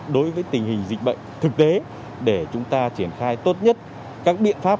đối với tình hình dịch bệnh thực tế để chúng ta triển khai tốt nhất các biện pháp